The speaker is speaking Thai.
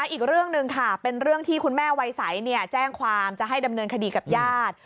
อีกเรื่องหนึ่งค่ะเป็นเรื่องที่คุณแม่วัยใสแจ้งความจะให้ดำเนินคดีกับญาติ